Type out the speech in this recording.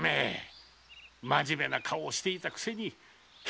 真面目な顔をしていたくせに反吐が出る！